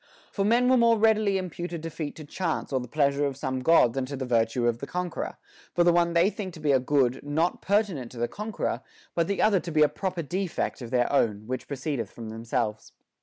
For men will more readily impute a defeat to chance or the pleasure of some God than to the virtue of the conqueror ; for the one they think to be a good not pertinent to the conqueror, but * II. XXII. 379. WITHOUT BEING ENVIED. 315 the other to be a proper defect of their own, which pro ceedeth from themselves.